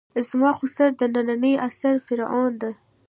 زما خُسر د نني عصر فرعون ده.